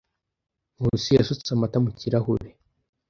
Nkusi yasutse amata mu kirahure.